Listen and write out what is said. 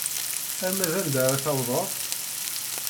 Arma d anda ara tawḍeḍ?